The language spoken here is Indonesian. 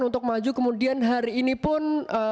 untuk maju kemudian hari ini pun